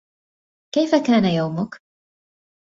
كيف كان يومك ؟